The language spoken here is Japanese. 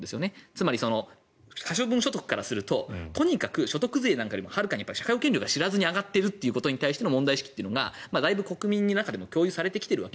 つまり可処分所得からするととにかく所得税なんかよりも社会保険料が知らずに上がっているということの問題意識がだいぶ国民の中でも共有されてきてる。